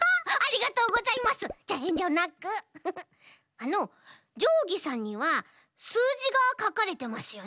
あのじょうぎさんにはすうじがかかれてますよね。